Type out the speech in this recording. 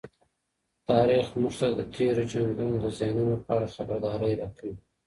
تاریخ موږ ته د تېرو جنګونو د زیانونو په اړه خبرداری راکوي.